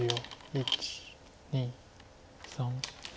１２３。